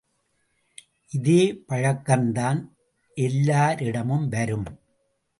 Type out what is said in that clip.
இதே பழக்கந்தான் எல்லாரிடமும் வரும்.